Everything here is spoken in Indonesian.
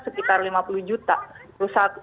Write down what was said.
sekitar lima puluh juta